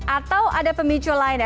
atau ada pemicu lain ya